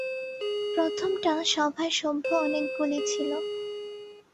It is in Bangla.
প্রথমটা সভায় সভ্য অনেকগুলি ছিল।